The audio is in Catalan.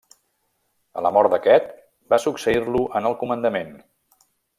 A la mort d'aquest, va succeir-lo en el comandament.